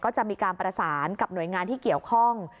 ก็จะมีการประสานกับหน่วยงานที่เกี่ยวข้อง